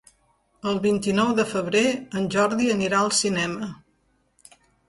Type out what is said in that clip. El vint-i-nou de febrer en Jordi anirà al cinema.